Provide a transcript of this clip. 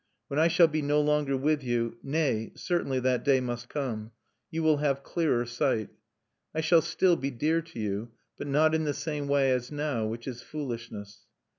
When I shall be no longer with you nay! certainly that day must come! you will have clearer sight. I shall still be dear to you, but not in the same way as now which is foolishness.